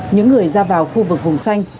những người ra vào khu vực vùng xanh